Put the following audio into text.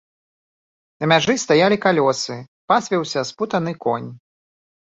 На мяжы стаялі калёсы, пасвіўся спутаны конь.